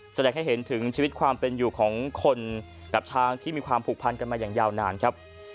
แสดงให้เห็นถึงชีวิตความเป็นอยู่ของคนกับช้างที่มีความผูกพันกันมาอย่างยาวนานครับ